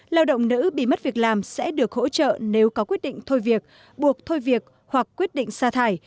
lao động nữ bị mất việc làm sẽ được hỗ trợ nếu có quyết định thôi việc buộc thôi việc hoặc quyết định xa thải